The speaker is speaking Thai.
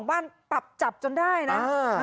ตัวของบ้านจับจนได้นะ